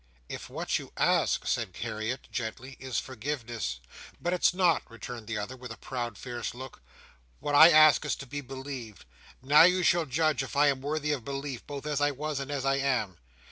"If what you ask," said Harriet, gently, "is forgiveness—" "But it's not!" returned the other, with a proud, fierce look "What I ask is to be believed. Now you shall judge if I am worthy of belief, both as I was, and as I am."